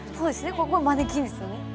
ここはマネキンですよね。